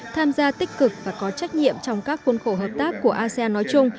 tham gia tích cực và có trách nhiệm trong các khuôn khổ hợp tác của asean nói chung